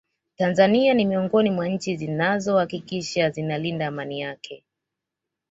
Tanzania ni miongoni mwa Nchi zinazo hakikisha zinalinda Amani yake